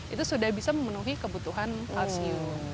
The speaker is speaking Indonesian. itu sudah bisa memenuhi kebutuhan palsu